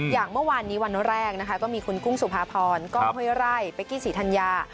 อย่างเมื่อวานนี้วันแรกนะคะก็มีคุณกุ้งสุภาพรกล้องห้วยไร่เป๊กกี้ศรีธัญญา